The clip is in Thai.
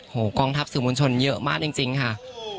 กองทัพสื่อมวลชนเยอะมากจริงค่ะ